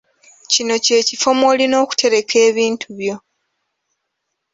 Kino ky'ekifo mw'olina okutereka ebintu byo.